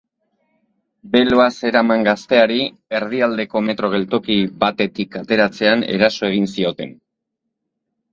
Beloa zeraman gazteari erdialdeko metro geltoki batetik ateratzean eraso egin zioten.